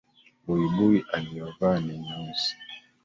Buibui aliyovaa ni nyeusi